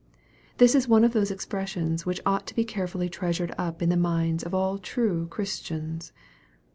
This is one of those expressions which ought to be carefully treasured up in the minds of all true Christians.